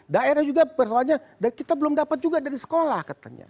daerah juga persoalannya dan kita belum dapat juga dari sekolah katanya